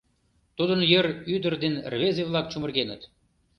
Тудын йыр ӱдыр ден рвезе-влак чумыргеныт.